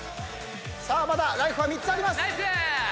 まだライフは３つあります。